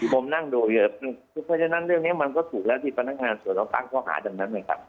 ผมนั่งดูเยอะเพราะฉะนั้นเรื่องนี้มันก็ถูกแล้วที่พนักงานส่วนต้องตั้งข้อหาดังนั้นนะครับ